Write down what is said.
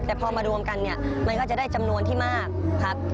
แต่พอมารวมกันเนี่ยมันก็จะได้จำนวนที่มากครับ